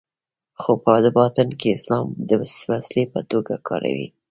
خو په باطن کې اسلام د وسیلې په توګه کاروي.